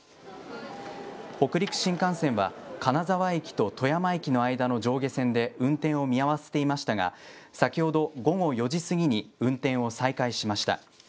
北陸新幹線は、金沢駅と富山駅の間の上下線で運転を見合わせていましたが、先ほど午後４時過ぎに運転を再開しました。